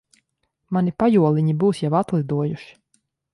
Mani pajoliņi būs jau atlidojuši.